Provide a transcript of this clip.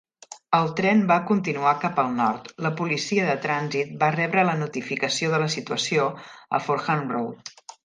El tren va continuar cap al nord; la policia de trànsit va rebre la notificació de la situació a Fordham Road.